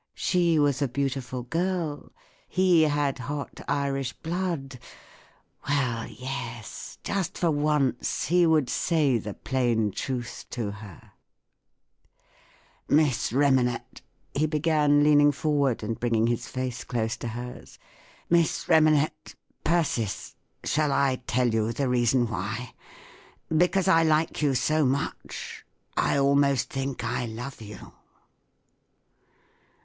She was a beautiful girl. He had hot Irish blood. .,, Well, yes; just for once —he would say the plain truth to her " Miss Rema¬ net," he began, leaning forward, and bringing his face close to hers, "Miss Remanet— Persis—shall I tell you the reason why ? Because 1 like you so much, I almost think I love you!"